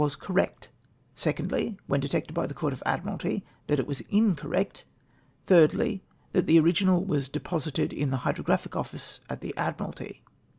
was correct ; 2iidly — when detected by the Court of Admh aUy — that it was incorrect; ordly — that the original was deposited in the Hydrographic Ojjice at the Admircdty.